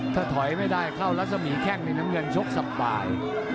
ถ้าถอยไม่ได้เข้ารัศมีแข้งนี่น้ำเงินชกสบาย